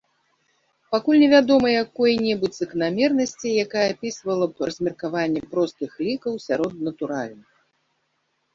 Пакуль невядома якой-небудзь заканамернасці, якая апісвала б размеркаванне простых лікаў сярод натуральных.